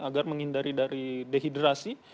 agar menghindari dari dehidrasi